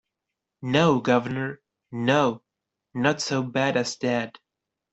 No, guv'nor, no; not so bad as that.